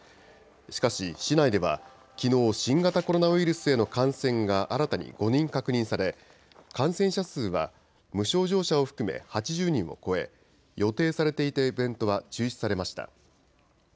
しかし、市内ではきのう新型コロナウイルスへの感染が新たに５人確認され感染者数は無症状者を含め８０人を超え予定されていたイベントは中止されました。